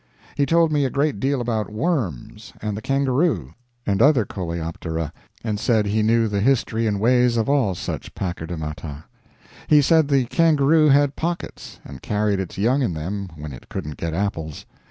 He told me a great deal about worms, and the kangaroo, and other coleoptera, and said he knew the history and ways of all such pachydermata. He said the kangaroo had pockets, and carried its young in them when it couldn't get apples.